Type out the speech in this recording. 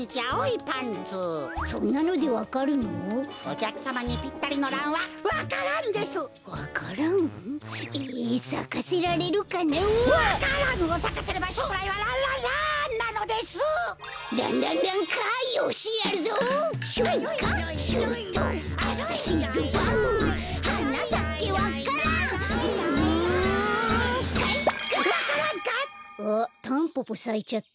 あっタンポポさいちゃった。